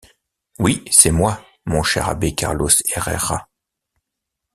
Oui, c’est moi, mon cher abbé Carlos Herrera.